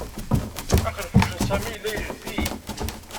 Axenfuc n Sami yella yeldi.